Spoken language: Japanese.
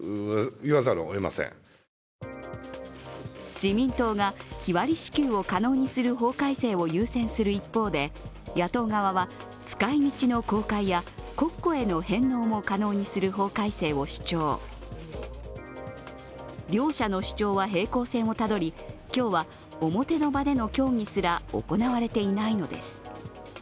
自民党が日割り支給を可能にする法改正を優先する一方で野党側は使いみちの公開や国庫への返納も可能にする法改正を主張。両者の主張は平行線をたどり、今日は表の場での協議すら行われていないのです。